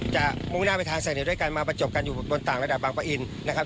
มุ่งหน้าไปทางไซเนอร์ด้วยกันมาประจบกันอยู่บนต่างระดับบางปะอินนะครับ